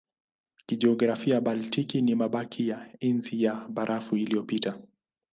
Kijiografia Baltiki ni mabaki ya Enzi ya Barafu iliyopita.